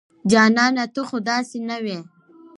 جانانه ته خو داسې نه وې